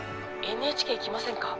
ＮＨＫ行きませんか？